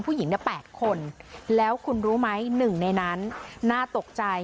ผู้หญิงเนี้ยแปดคนแล้วคุณรู้ไหมหนึ่งในนั้นน่าตกใจ